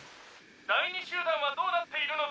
「第二集団はどうなっているのでしょう？」